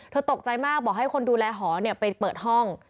ตกใจมากบอกให้คนดูแลหอไปเปิดห้อง